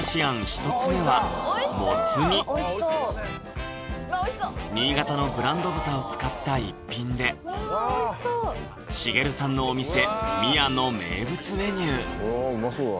１つ目はもつ煮新潟のブランド豚を使った一品で茂さんのお店・みやの名物メニュー